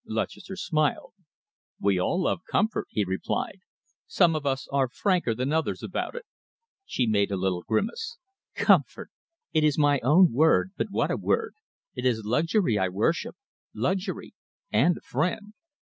Lutchester smiled. "We all love comfort," he replied. "Some of us are franker than others about it." She made a little grimace. "Comfort! It is my own word, but what a word! It is luxury I worship luxury and a friend.